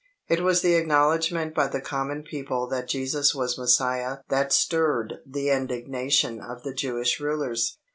It was the acknowledgment by the common people that Jesus was Messiah that stirred the indignation of the Jewish rulers.